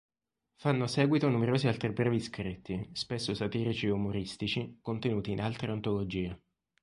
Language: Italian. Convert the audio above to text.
Fanno seguito numerosi altri brevi scritti, spesso satirici e umoristici, contenuti in altre antologie.